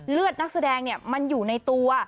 เลือดนักแสดงมันอยู่ในตัว